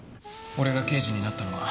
俺が刑事になったのは